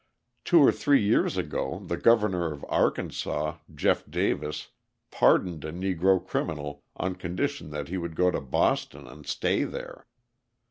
Two or three years ago the Governor of Arkansas, Jeff Davis, pardoned a Negro criminal on condition that he would go to Boston and stay there!